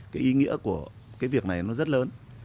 cái ý nghĩa của cái việc này nó rất lớn